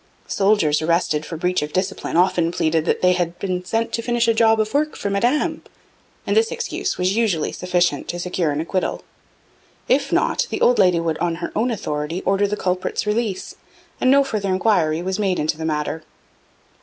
Soldiers arrested for breach of discipline often pleaded that they had been 'sent for to finish a job of work for Madame'; and this excuse was usually sufficient to secure an acquittal. If not, the old lady would on her own authority order the culprit's release, and 'no further enquiry was made into the matter.'